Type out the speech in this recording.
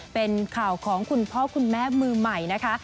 เป็นข่าวของคุณพ่อคุณแม่มือใหม่นะคะ